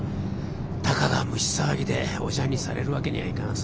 たかが虫騒ぎでおじゃんにされるわけにはいかんさ。